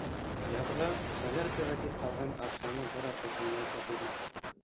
Яҙға, соляркаға тип һалған аҡсаны бер аҙ тотонмайса булмаҫ.